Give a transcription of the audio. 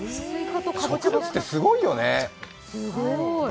植物ってすごいよね。